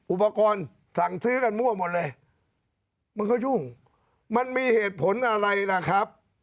อุปกรณ์สั่งซื้อกันมั่วหมดเลยมันก็ยุ่งมันมีเหตุผลอะไรล่ะครับ